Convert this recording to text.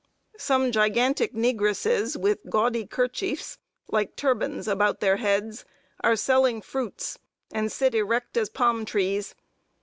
Some gigantic negresses, with gaudy kerchiefs, like turbans, about their heads, are selling fruits, and sit erect as palm trees.